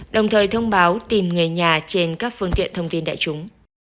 đồng thời thông báo tìm người nhà trên các phương tiện thông tin đại chúng